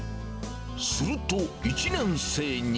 すると、１年生に。